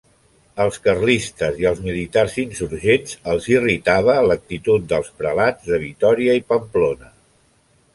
Als carlistes i als militars insurgents els irritava l'actitud dels prelats de Vitòria i Pamplona.